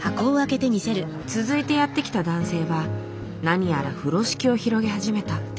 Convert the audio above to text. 続いてやって来た男性は何やら風呂敷を広げ始めた。